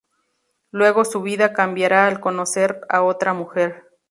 Luego su vida cambiará al conocer a otra mujer.